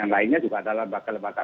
yang lainnya juga ada lembaga lembaga